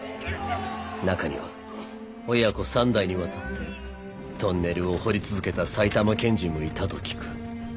中には親子三代にわたってトンネルを掘り続けた埼玉県人もいたと聞く。